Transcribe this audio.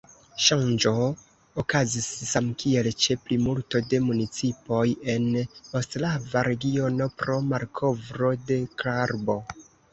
Ŝanĝo okazis, samkiel ĉe plimulto de municipoj en Ostrava-regiono, pro malkovro de karbo.